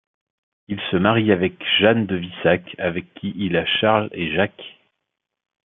Il se marie avec Jeanne de Vissac avec qui il a Charles et Jacques.